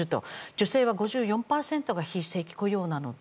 女性は５４％が非正規雇用なので。